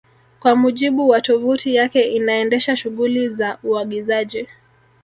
Kwa mujibu wa tovuti yake inaendesha shughuli za uagizaji